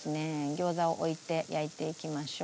餃子を置いて焼いていきましょう。